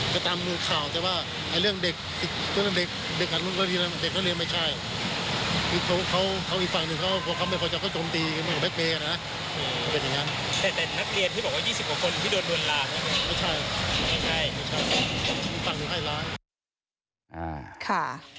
อเจมส์ไม่ใช่มีฟังลูกให้ล้าง